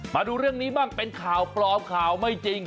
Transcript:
มาดูเรื่องนี้บ้างเป็นข่าวปลอมข่าวไม่จริง